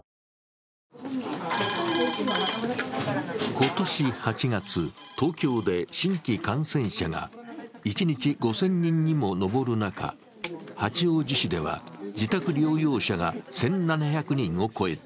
今年８月、東京で新規感染者が一日５０００人にも上る中、八王子市では自宅療養者が１７００人を超えた。